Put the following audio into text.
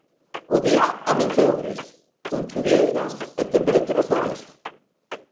O día amenceu gris, con chuvieiras e temperaturas á baixa.